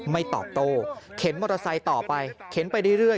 ตอบโต้เข็นมอเตอร์ไซค์ต่อไปเข็นไปเรื่อย